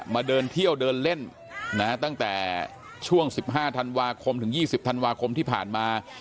มาเดินเที่ยวเดินเล่นตั้งแต่ช่วง๑๕ธันวาคมถึง๒๐ธันวาคมที่ผ่านมา